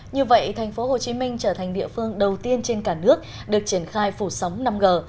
như vậy thành phố hồ chí minh trở thành địa phương đầu tiên trên cả nước được triển khai phủ sóng năm g